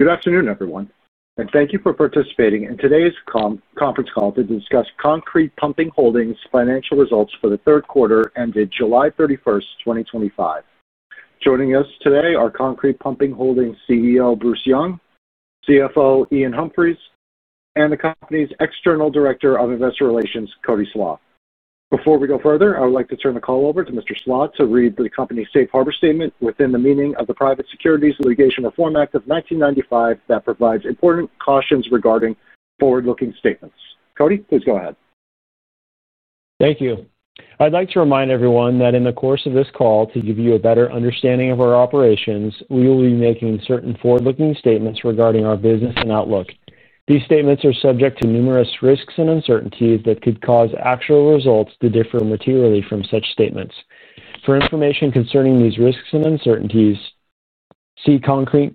Good afternoon, everyone, and thank you for participating in today's conference call to discuss Concrete Pumping Holdings' Financial Results for the Third Quarter ended July 31st, 2025. Joining us today are Concrete Pumping Holdings' CEO, Bruce Young, CFO, Iain Humphries, and the company's External Director of Investor Relations, Cody Slach. Before we go further, I would like to turn the call over to Mr. Slach to read the company's safe harbor statement within the meaning of the Private Securities Litigation Reform Act of 1995 that provides important cautions regarding forward-looking statements. Cody, please go ahead. Thank you. I'd like to remind everyone that in the course of this call, to give you a better understanding of our operations, we will be making certain forward-looking statements regarding our business and outlook. These statements are subject to numerous risks and uncertainties that could cause actual results to differ materially from such statements. For information concerning these risks and uncertainties, see Concrete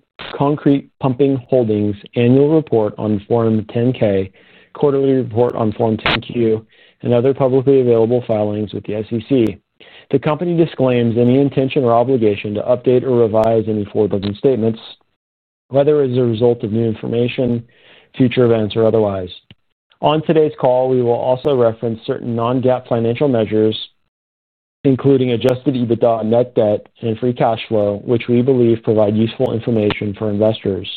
Pumping Holdings' Annual Report on Form 10-K, Quarterly Report on Form 10-Q, and other publicly available filings with the SEC. The company disclaims any intention or obligation to update or revise any forward-looking statements, whether as a result of new information, future events, or otherwise. On today's call, we will also reference certain non-GAAP financial measures, including adjusted EBITDA, net debt, and free cash flow, which we believe provide useful information for investors.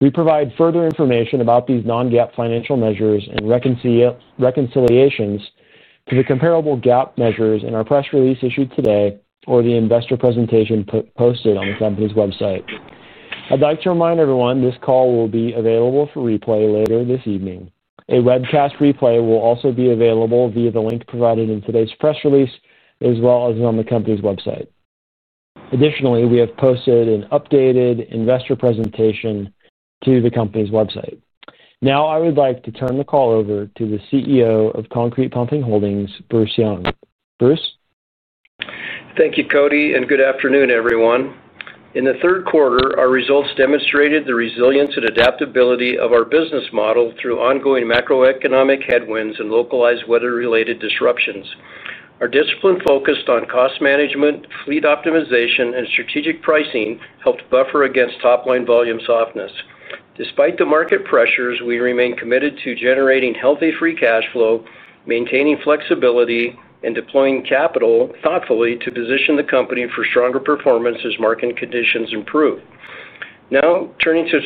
We provide further information about these non-GAAP financial measures and reconciliations to the comparable GAAP measures in our press release issued today or the investor presentation posted on the company's website. I'd like to remind everyone this call will be available for replay later this evening. A webcast replay will also be available via the link provided in today's press release, as well as on the company's website. Additionally, we have posted an updated investor presentation to the company's website. Now, I would like to turn the call over to the CEO of Concrete Pumping Holdings, Bruce Young. Bruce? Thank you, Cody, and good afternoon, everyone. In the third quarter, our results demonstrated the resilience and adaptability of our business model through ongoing macroeconomic headwinds and localized weather-related disruptions. Our discipline focused on cost management, fleet optimization, and strategic pricing helped buffer against top-line volume softness. Despite the market pressures, we remain committed to generating healthy free cash flow, maintaining flexibility, and deploying capital thoughtfully to position the company for stronger performance as market conditions improve. Now, turning to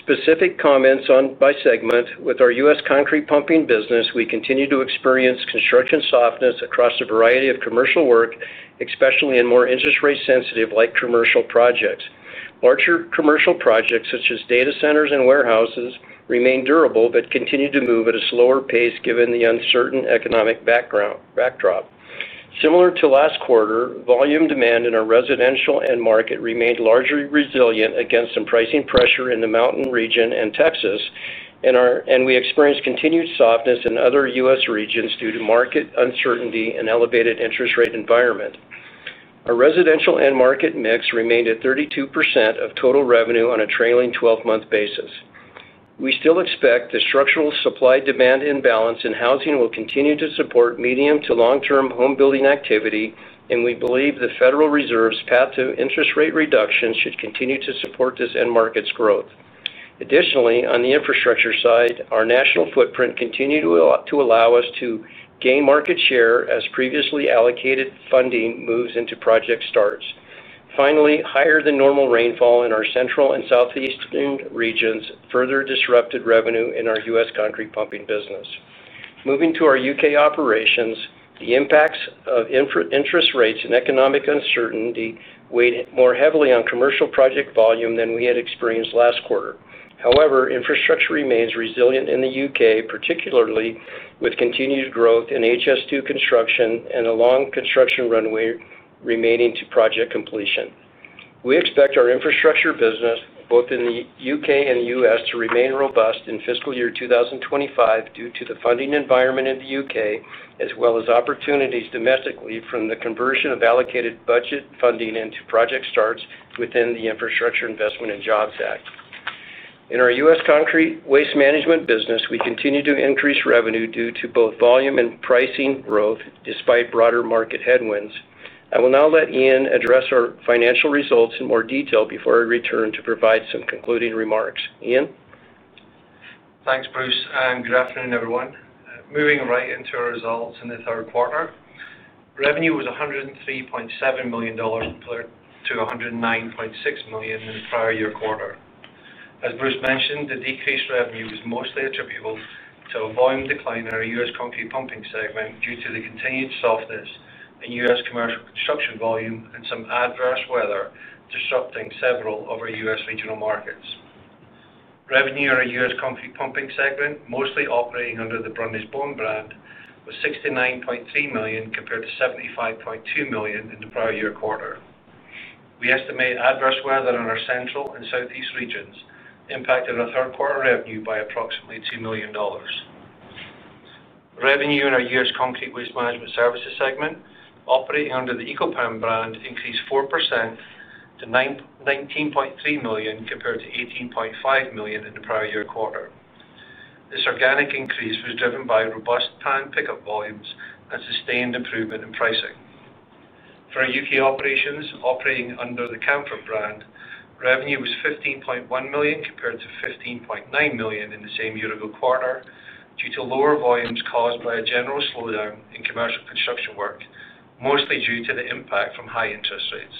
specific comments on by segment, with our U.S. Concrete Pumping business, we continue to experience construction softness across a variety of commercial work, especially in more interest rate-sensitive light commercial projects. Larger commercial projects, such as data centers and warehouses, remain durable but continue to move at a slower pace given the uncertain economic backdrop. Similar to last quarter, volume demand in our residential end market remained largely resilient against some pricing pressure in the mountain region and Texas, and we experienced continued softness in other U.S. regions due to market uncertainty and elevated interest rate environment. Our residential end market mix remained at 32% of total revenue on a trailing 12-month basis. We still expect the structural supply-demand imbalance in housing will continue to support medium to long-term home building activity, and we believe the Federal Reserve's path to interest rate reduction should continue to support this end market's growth. Additionally, on the infrastructure side, our national footprint continued to allow us to gain market share as previously allocated funding moves into project starts. Finally, higher than normal rainfall in our central and southeastern regions further disrupted revenue in our U.S. Concrete Pumping business. Moving to our U.K. operations, the impacts of interest rates and economic uncertainty weighed more heavily on commercial project volume than we had experienced last quarter. However, infrastructure remains resilient in the U.K., particularly with continued growth in HS2 construction and a long construction runway remaining to project completion. We expect our infrastructure business, both in the U.K. and the U.S., to remain robust in fiscal year 2025 due to the funding environment in the U.K., as well as opportunities domestically from the conversion of allocated budget funding into project starts within the Infrastructure Investment and Jobs Act. In our U.S. concrete waste management business, we continue to increase revenue due to both volume and pricing growth despite broader market headwinds. I will now let Iain address our financial results in more detail before I return to provide some concluding remarks. Iain? Thanks, Bruce, and good afternoon, everyone. Moving right into our results in the third quarter, revenue was $103.7 million compared to $109.6 million in the prior year quarter. As Bruce mentioned, the decreased revenue was mostly attributable to a volume decline in our U.S. Concrete Pumping segment due to the continued softness in U.S. commercial construction volume and some adverse weather disrupting several of our U.S. regional markets. Revenue in our U.S. Concrete Pumping segment, mostly operating under the Brundage-Bone Concrete Pumping brand, was $69.3 million compared to $75.2 million in the prior year quarter. We estimate adverse weather in our central and southeast regions impacted our third quarter revenue by approximately $2 million. Revenue in our U.S. concrete waste management services segment, operating under the Eco-Pan brand, increased 4% to $19.3 million compared to $18.5 million in the prior year quarter. This organic increase was driven by robust can pickup volumes and sustained improvement in pricing. For our U.K. operations, operating under the Camfaud Group Limited brand, revenue was $15.1 million compared to $15.9 million in the same year-ago quarter due to lower volumes caused by a general slowdown in commercial construction work, mostly due to the impact from high interest rates.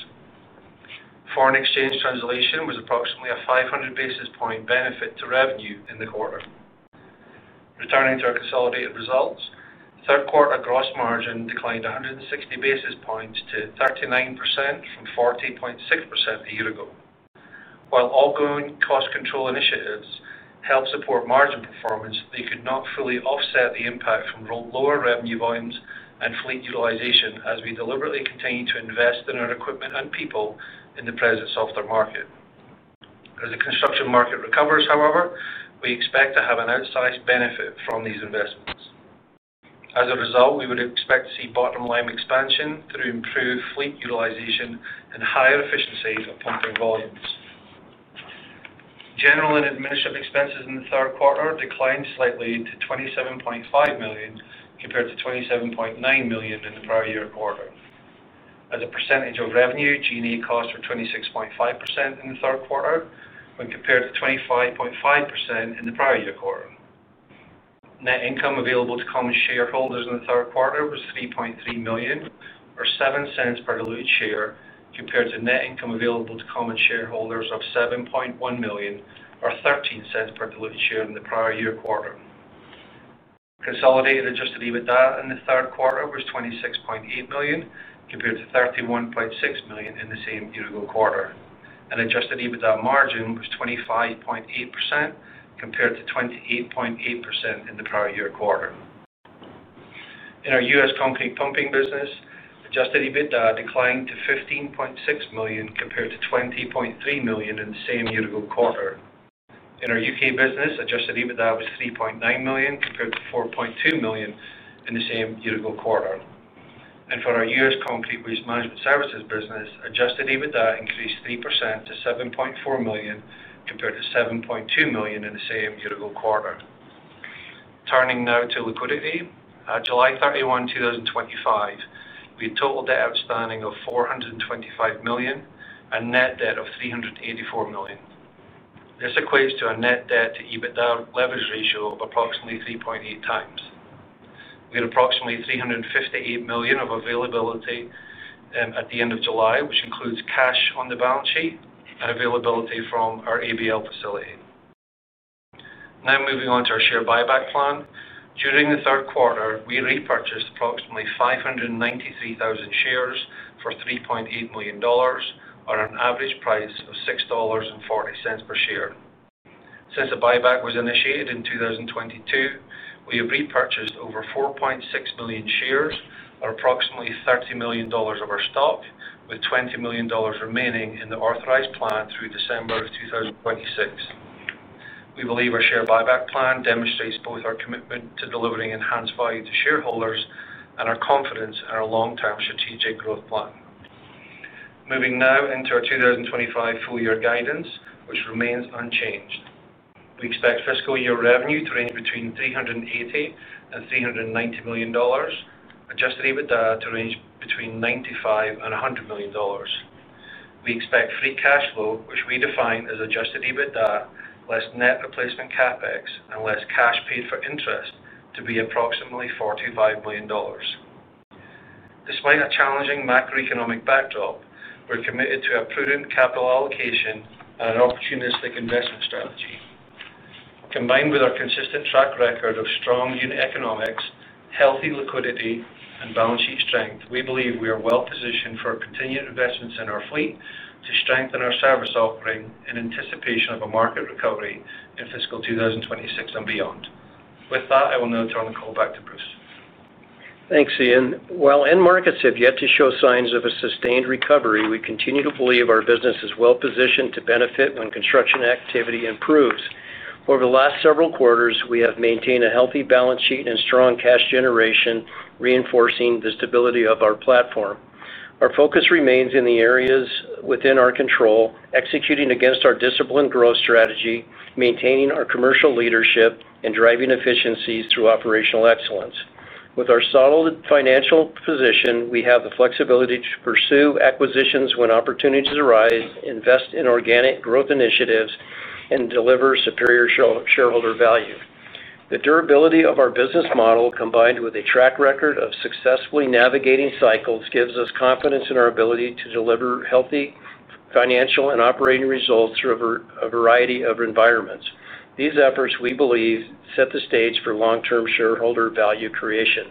Foreign exchange translation was approximately a 500 basis point benefit to revenue in the quarter. Returning to our consolidated results, third quarter gross margin declined 160 basis points to 39% from 40.6% a year ago. While ongoing cost control initiatives help support margin performance, they could not fully offset the impact from lower revenue volumes and fleet utilization as we deliberately continue to invest in our equipment and people in the present softer market. As the construction market recovers, however, we expect to have an outsized benefit from these investments. As a result, we would expect to see bottom-line expansion through improved fleet utilization and higher efficiencies of pumping volumes. General and administrative expenses in the third quarter declined slightly to $27.5 million compared to $27.9 million in the prior year quarter. As a percentage of revenue, G&A costs were 26.5% in the third quarter when compared to 25.5% in the prior year quarter. Net income available to common shareholders in the third quarter was $3.3 million, or $0.07 per diluted share, compared to net income available to common shareholders of $7.1 million, or $0.13 per diluted share in the prior year quarter. Consolidated adjusted EBITDA in the third quarter was $26.8 million compared to $31.6 million in the same year-ago quarter, and adjusted EBITDA margin was 25.8% compared to 28.8% in the prior year quarter. In our U.S. oncrete Pumping business, adjusted EBITDA declined to $15.6 million compared to $20.3 million in the same year-ago quarter. In our U.K. business, adjusted EBITDA was $3.9 million compared to $4.2 million in the same year-ago quarter. For our U.S. concrete waste management services business, adjusted EBITDA increased 3% to $7.4 million compared to $7.2 million in the same year-ago quarter. Turning now to liquidity, on July 31, 2025, we had a total debt outstanding of $425 million and a net debt of $384 million. This equates to a net debt-to-EBITDA leverage ratio of approximately 3.8 times. We had approximately $358 million of availability at the end of July, which includes cash on the balance sheet and availability from our ABL facility. Now moving on to our share buyback plan, during the third quarter, we repurchased approximately 593,000 shares for $3.8 million at an average price of $6.40 per share. Since the buyback was initiated in 2022, we have repurchased over 4.6 million shares, or approximately $30 million of our stock, with $20 million remaining in the Authorized Plan through December of 2026. We believe our share buyback plan demonstrates both our commitment to delivering enhanced value to shareholders and our confidence in our long-term strategic growth plan. Moving now into our 2025 full-year guidance, which remains unchanged, we expect fiscal year revenue to range between $380 million and $390 million, adjusted EBITDA to range between $95 and $100 million. We expect free cash flow, which we define as adjusted EBITDA less net replacement capex and less cash paid for interest, to be approximately $45 million. Despite a challenging macroeconomic backdrop, we're committed to a prudent capital allocation and an opportunistic investment strategy. Combined with our consistent track record of strong unit economics, healthy liquidity, and balance sheet strength, we believe we are well positioned for continued investments in our fleet to strengthen our service offering in anticipation of a market recovery in fiscal 2026 and beyond. With that, I will now turn the call back to Bruce. Thanks, Iain. While end markets have yet to show signs of a sustained recovery, we continue to believe our business is well positioned to benefit when construction activity improves. Over the last several quarters, we have maintained a healthy balance sheet and strong cash generation, reinforcing the stability of our platform. Our focus remains in the areas within our control, executing against our disciplined growth strategy, maintaining our commercial leadership, and driving efficiencies through operational excellence. With our solid financial position, we have the flexibility to pursue acquisitions when opportunities arise, invest in organic growth initiatives, and deliver superior shareholder value. The durability of our business model, combined with a track record of successfully navigating cycles, gives us confidence in our ability to deliver healthy financial and operating results through a variety of environments. These efforts, we believe, set the stage for long-term shareholder value creation.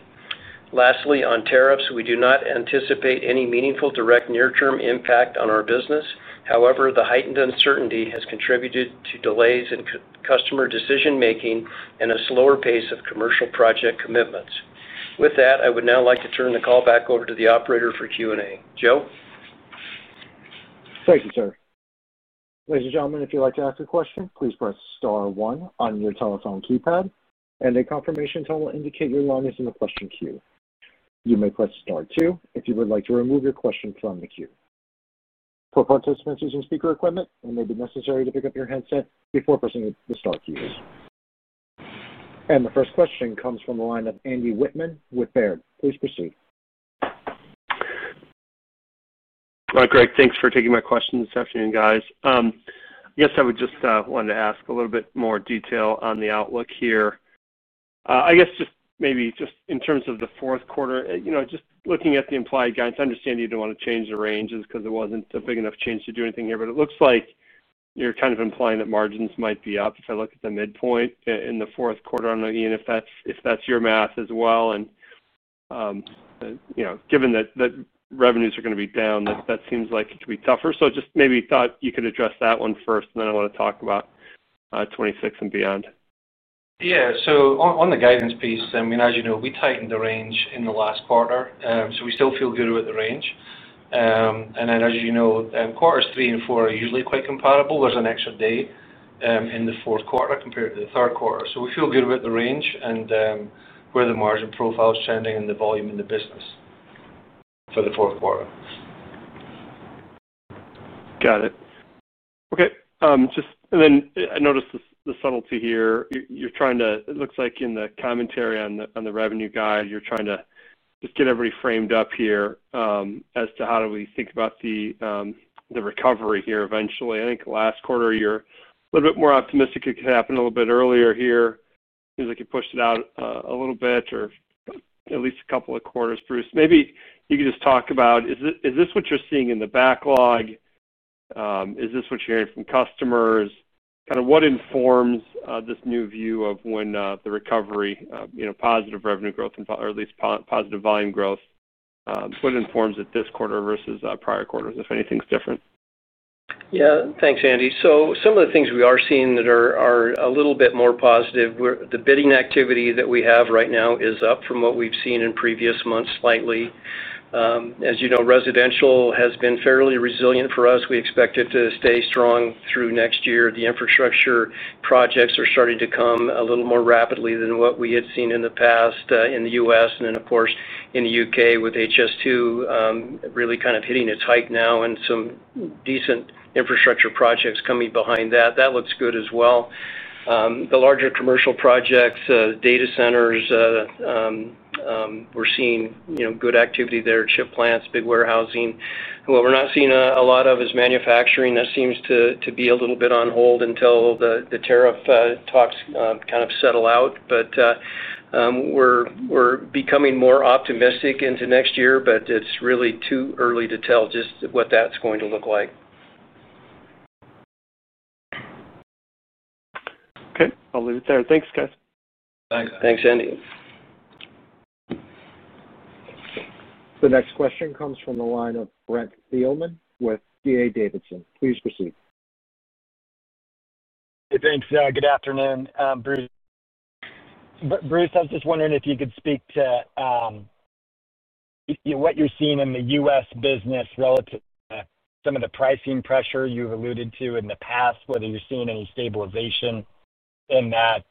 Lastly, on tariffs, we do not anticipate any meaningful direct near-term impact on our business. However, the heightened uncertainty has contributed to delays in customer decision-making and a slower pace of commercial project commitments. With that, I would now like to turn the call back over to the operator for Q&A. Joe? Thank you, Chair. Ladies and gentlemen, if you'd like to ask a question, please press star one on your telephone keypad. A confirmation tone will indicate your line is in the question queue. You may press star two if you would like to remove your question from the queue. For participants using speaker equipment, it may be necessary to pick up your headset before pressing the star keys. The first question comes from the line of Andy Whitman with Baird. Please proceed. Great. Thanks for taking my question this afternoon, guys. I guess I would just want to ask a little bit more detail on the outlook here. I guess just maybe in terms of the fourth quarter, you know, just looking at the implied guidance, I understand you didn't want to change the ranges because it wasn't a big enough change to do anything here, but it looks like you're kind of implying that margins might be up if I look at the midpoint in the fourth quarter. I don't know, Iain, if that's your math as well. You know, given that revenues are going to be down, that seems like it could be tougher. I just maybe thought you could address that one first, and then I want to talk about 2026 and beyond. Yeah, on the guidance piece, I mean, as you know, we tightened the range in the last quarter. We still feel good about the range. As you know, quarters three and four are usually quite compatible. There's an extra day in the fourth quarter compared to the third quarter. We feel good about the range and where the margin profile is trending and the volume in the business for the fourth quarter. Got it. Okay. I noticed the subtlety here. You're trying to, it looks like in the commentary on the revenue guide, you're trying to just get everybody framed up here as to how do we think about the recovery here eventually. I think last quarter you were a little bit more optimistic it could happen a little bit earlier here. It seems like you pushed it out a little bit or at least a couple of quarters, Bruce. Maybe you could just talk about, is this what you're seeing in the backlog? Is this what you're hearing from customers? What informs this new view of when the recovery, you know, positive revenue growth or at least positive volume growth, what informs it this quarter versus prior quarters, if anything's different? Yeah, thanks, Andy. Some of the things we are seeing that are a little bit more positive, the bidding activity that we have right now is up from what we've seen in previous months slightly. As you know, residential has been fairly resilient for us. We expect it to stay strong through next year. The infrastructure projects are starting to come a little more rapidly than what we had seen in the past in the U.S., and then, of course, in the U.K. with HS2 really kind of hitting its height now and some decent infrastructure projects coming behind that. That looks good as well. The larger commercial projects, data centers, we're seeing good activity there, chip plants, big warehousing. What we're not seeing a lot of is manufacturing. That seems to be a little bit on hold until the tariff talks kind of settle out. We're becoming more optimistic into next year, but it's really too early to tell just what that's going to look like. Okay, I'll leave it there. Thanks, guys. Thanks, Andy. The next question comes from the line of Brent Beilman with D.A. Davidson. Please proceed. Hey, thanks. Good afternoon. Bruce, I was just wondering if you could speak to what you're seeing in the U.S. business relative to some of the pricing pressure you've alluded to in the past, whether you're seeing any stabilization in that,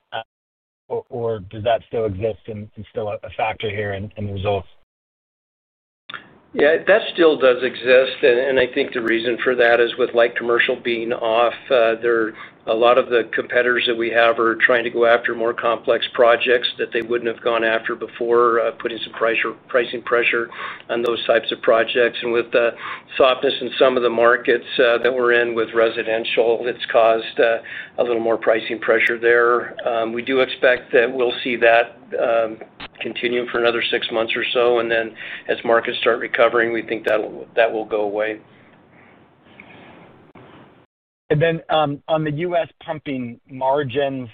or does that still exist and still a factor here in the results? Yeah, that still does exist. I think the reason for that is with light commercial being off, a lot of the competitors that we have are trying to go after more complex projects that they wouldn't have gone after before, putting some pricing pressure on those types of projects. With the softness in some of the markets that we're in with residential, it's caused a little more pricing pressure there. We do expect that we'll see that continue for another six months or so. As markets start recovering, we think that will go away. On the U.S. pumping margins,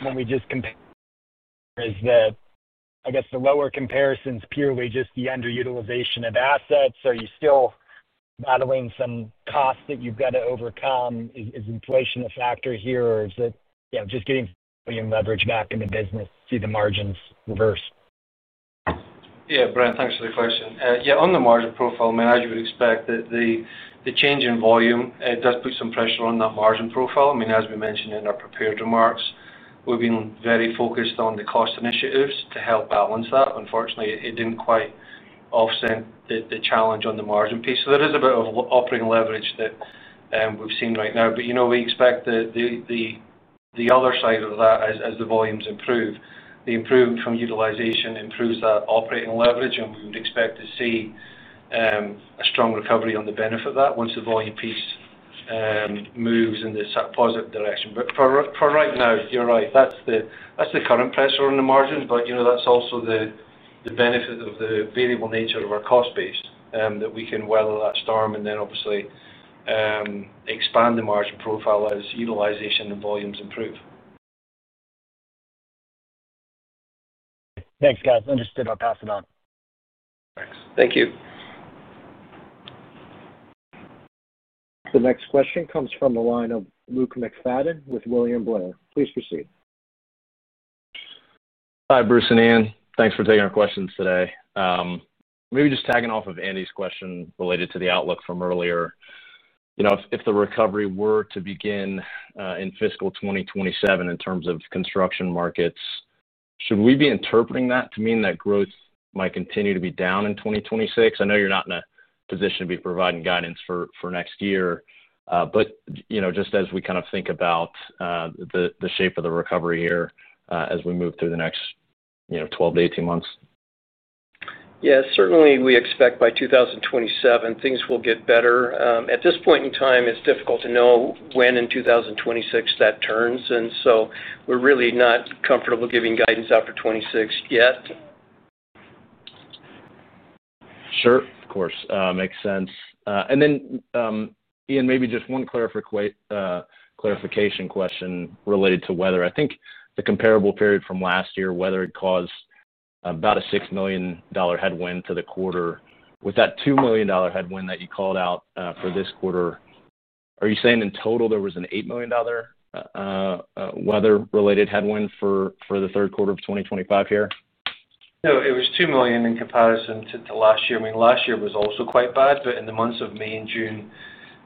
when we just compare, is the lower comparison purely just the underutilization of assets? Are you still battling some costs that you've got to overcome? Is inflation a factor here, or is it just getting volume leverage back in the business to see the margins reverse? Yeah, Brent, thanks for the question. Yeah, on the margin profile, I would expect that the change in volume does put some pressure on that margin profile. I mean, as we mentioned in our prepared remarks, we've been very focused on the cost initiatives to help balance that. Unfortunately, it didn't quite offset the challenge on the margin piece. There is a bit of operating leverage that we've seen right now. You know, we expect that the other side of that, as the volumes improve, the improvement from utilization improves that operating leverage. We would expect to see a strong recovery on the benefit of that once the volume piece moves in the positive direction. For right now, you're right. That's the current pressure on the margin. You know, that's also the benefit of the variable nature of our cost base that we can weather that storm and then obviously expand the margin profile as utilization and volumes improve. Thanks, guys. Understood. I'll pass it on. Thanks. Thank you. The next question comes from the line of Luke McFadden with William Blair. Please proceed. Hi, Bruce and Iain. Thanks for taking our questions today. Maybe just tagging off of Andy's question related to the outlook from earlier. If the recovery were to begin in fiscal 2027 in terms of construction markets, should we be interpreting that to mean that growth might continue to be down in 2026? I know you're not in a position to be providing guidance for next year, but just as we kind of think about the shape of the recovery here as we move through the next 12 to 18 months. Yeah, certainly we expect by 2027 things will get better. At this point in time, it's difficult to know when in 2026 that turns. We're really not comfortable giving guidance after 2026 yet. Sure, of course. Makes sense. Iain, maybe just one clarification question related to weather. I think the comparable period from last year, weather had caused about a $6 million headwind for the quarter. With that $2 million headwind that you called out for this quarter, are you saying in total there was an $8 million weather-related headwind for the third quarter of 2025 here? No, it was $2 million in comparison to last year. Last year was also quite bad, but in the months of May and June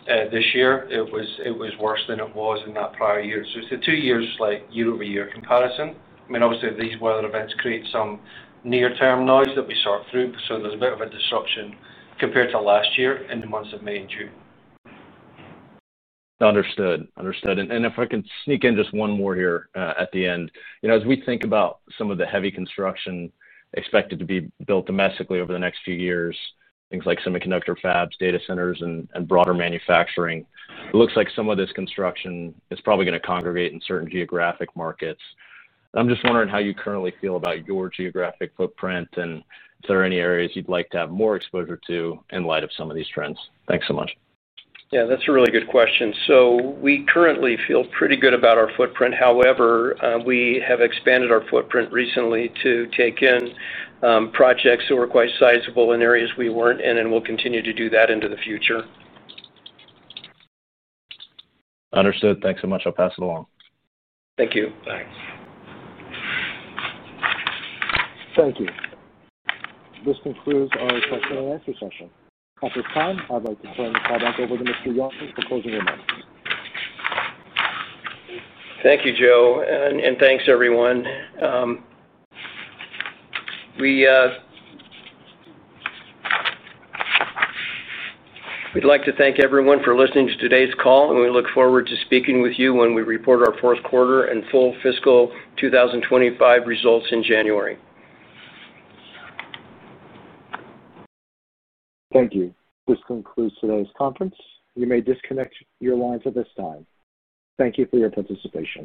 this year, it was worse than it was in that prior year. It is the two years, like year-over-year comparison. Obviously, these weather events create some near-term noise that we sort through. There is a bit of a disruption compared to last year in the months of May and June. Understood. If I can sneak in just one more here at the end, as we think about some of the heavy construction expected to be built domestically over the next few years, things like semiconductor fabs, data centers, and broader manufacturing, it looks like some of this construction is probably going to congregate in certain geographic markets. I'm just wondering how you currently feel about your geographic footprint and if there are any areas you'd like to have more exposure to in light of some of these trends. Thanks so much. That's a really good question. We currently feel pretty good about our footprint. However, we have expanded our footprint recently to take in projects that were quite sizable in areas we weren't in, and we'll continue to do that into the future. Understood. Thanks so much. I'll pass it along. Thank you. Bye. Thank you. This concludes our question and answer session. At this time, I'd like to turn the call back over to Mr. Young for closing remarks. Thank you, Joe, and thanks everyone. We'd like to thank everyone for listening to today's call, and we look forward to speaking with you when we report our Fourth Quarter and Full Fiscal 2025 Results in January. Thank you. This concludes today's conference. You may disconnect your lines at this time. Thank you for your participation.